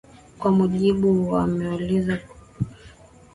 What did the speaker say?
kwa mujibu wamaelezo ya basher wapiganaji hao